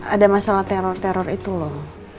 ada masalah teror teror itu loh